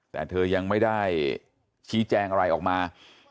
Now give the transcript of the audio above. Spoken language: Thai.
แต่เธอยังไม่ได้ชี้แจงอะไรออกมา